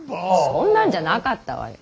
そんなんじゃなかったわよ。